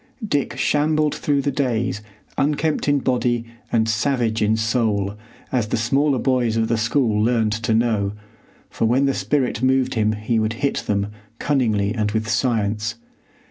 Dick shambled through the days unkempt in body and savage in soul, as the smaller boys of the school learned to know, for when the spirit moved him he would hit them, cunningly and with science.